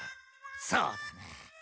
そうだな。